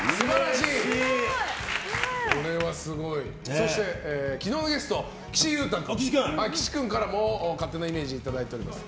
そして昨日のゲスト岸優太君からも勝手なイメージをいただいております。